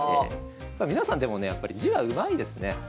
皆さんでもねやっぱり字はうまいですね。